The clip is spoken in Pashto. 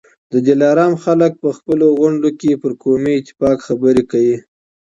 د دلارام خلک په خپلو غونډو کي پر قومي اتفاق خبرې کوي.